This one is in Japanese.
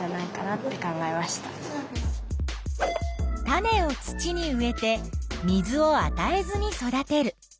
種を土に植えて水をあたえずに育てる。